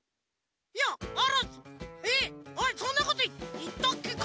いやえっそんなこといったっけか？